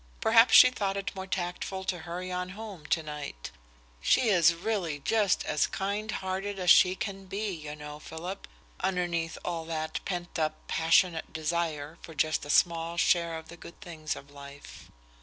Perhaps she thought it more tactful to hurry on home tonight. She is really just as kind hearted as she can be, you know, Philip, underneath all that pent up, passionate desire for just a small share of the good things of life.